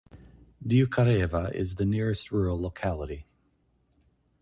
Dyukareva is the nearest rural locality.